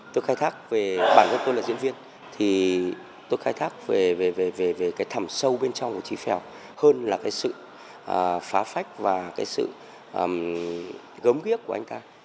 tôi khai thác về bản vật tôi là diễn viên thì tôi khai thác về cái thầm sâu bên trong của trí pheo hơn là cái sự phá phách và cái sự gớm ghiếc của anh ta